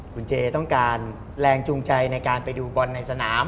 คุณเจต้องการแรงจูงใจในการไปดูบอลในสนาม